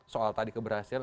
soal tadi keberhasilan